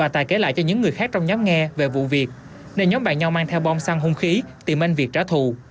tài cho những người khác trong nhóm nghe về vụ việc nên nhóm bạn nhau mang theo bong xăng hung khí tìm anh việt trả thù